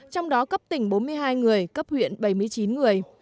trong đó cấp tỉnh bốn mươi hai người cấp huyện bảy mươi chín người